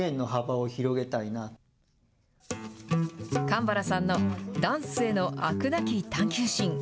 かんばらさんのダンスへの飽くなき探究心。